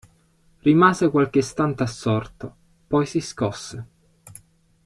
Rimase qualche istante assorto, poi si scosse.